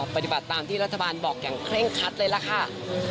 ปฏิบัติตามที่รัฐบาลบอกอย่างเคร่งคัดเลยล่ะค่ะ